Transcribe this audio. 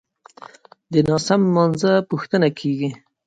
خو فکر نه کوم چې زه دې د جګړې لپاره ورشم.